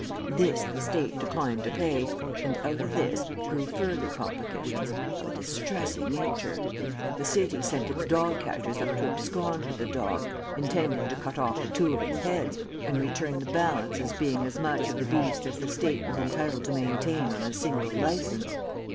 This the State declined to pay, and out of this grew further complications of a distressing nature. The city sent its dog catchers up to abscond with the dog, intending to cut off two of its heads, and return the balance as being as much of the beast as the State was entitled to maintain on a single license.